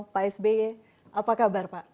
pak sby apa kabar pak